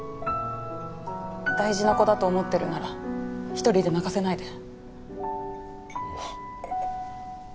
大事な子だと思ってるなら一人で泣かせないで。